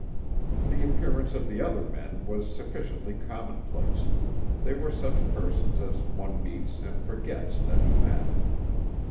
The appearance of the other men was sufficiently commonplace: they were such persons as one meets and forgets that he met.